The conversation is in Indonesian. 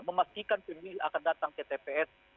memastikan pemilih akan datang ke tps